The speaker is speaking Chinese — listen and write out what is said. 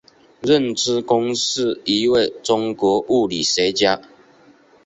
任之恭是一位中国物理学家。